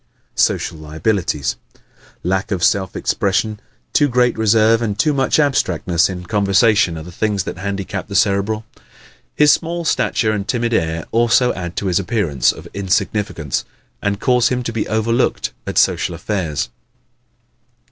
Social Liabilities ¶ Lack of self expression, too great reserve and too much abstractness in conversation are the things that handicap the Cerebral. His small stature and timid air also add to his appearance of insignificance and cause him to be overlooked at social affairs.